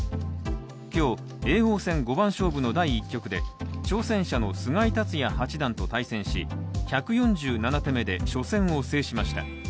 今日、叡王戦五番勝負の第１局で挑戦者の菅井竜也八段と対戦し１４７手目で初戦を制しました。